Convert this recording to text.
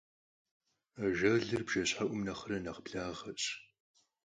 Ажалыр бжэщхьэӀум нэхърэ нэхь благъэщ.